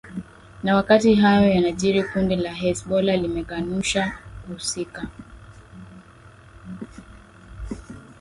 na wakati hayo yanajiri kundi la hes bola limekanusha kuhusika